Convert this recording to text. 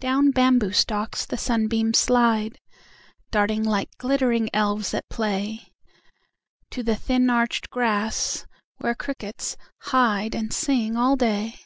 Down bamboo stalks the sunbeams slide, Darting like glittering elves at play, To the thin arched grass where crickets hideAnd sing all day.